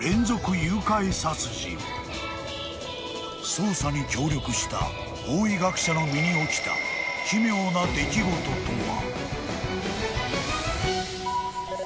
［捜査に協力した法医学者の身に起きた奇妙な出来事とは］